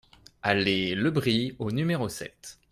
Allée le Brix au numéro sept